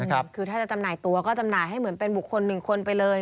คือถ้าจะจำหน่ายตัวก็จำหน่ายให้เหมือนเป็นบุคคลหนึ่งคนไปเลย